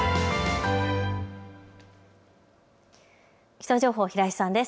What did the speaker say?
気象情報、平井さんです。